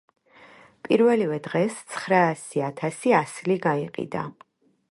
პიველივე დღეს ცხრაასი ათასი ასლი გაიყიდა.